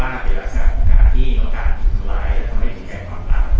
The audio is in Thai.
หรือว่าเป็นลักษณะของการที่น้องการผิดทำร้ายหรือทำให้ผิดแข็งความราว